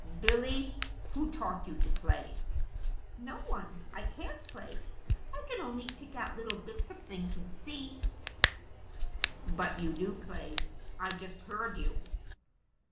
"Billy, who taught you to play?" "No one. I can't play. I can only pick out little bits of things in C." "But you do play. I just heard you."